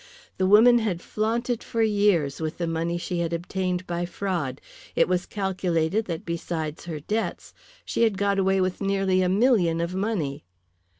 The woman had flaunted for years with the money she had obtained by fraud. It was calculated that besides her debts she had got away with nearly a million of money.